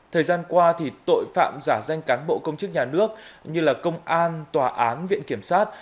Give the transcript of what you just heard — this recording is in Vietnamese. thời gian qua thì tội phạm giả danh cán bộ công chức nhà nước như là công an tòa án viện kiểm sát